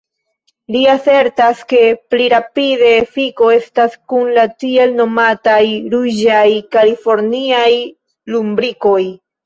Li asertas, ke pli rapida efiko estas kun la tiel nomataj ruĝaj kaliforniaj lumbrikoj.